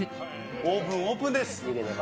オーブン、オープンです。